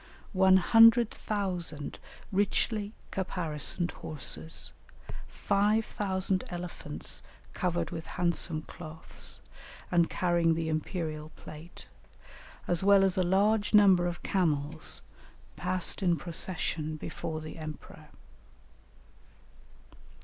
One hundred thousand richly caparisoned horses, five thousand elephants covered with handsome cloths and carrying the imperial plate, as well as a large number of camels, passed in procession before the emperor.